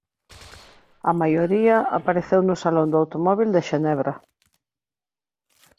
A maioría apareceu no Salón do Automóbil de Xenebra.